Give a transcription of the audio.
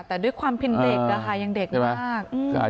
แต่ด้วยความเป็นเด็กนะคะยังเด็กมาก